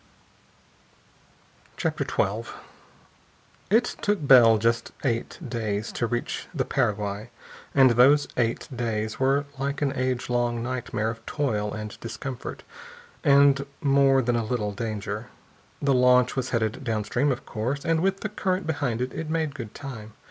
CHAPTER XII It took Bell just eight days to reach the Paraguay, and those eight days were like an age long nightmare of toil and discomfort and more than a little danger. The launch was headed downstream, of course, and with the current behind it, it made good time.